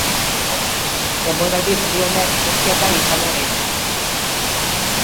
Denboraldi berri honek zortzi atal izango ditu.